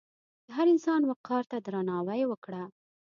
د هر انسان وقار ته درناوی وکړه.